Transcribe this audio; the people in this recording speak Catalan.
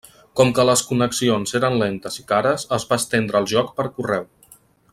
Com que les connexions eren lentes i cares es va estendre el joc per correu.